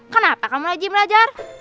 kenapa kamu lagi belajar